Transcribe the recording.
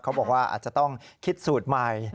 เขาบอกว่าอาจจะต้องคิดสูตรใหม่